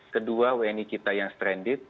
kedua wni kita yang stranded